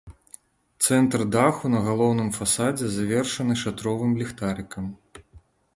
Цэнтр даху на галоўным фасадзе завершаны шатровым ліхтарыкам.